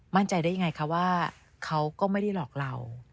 มั่นใจได้ยังไงคะว่าเขาก็ไม่ได้หลอกเรา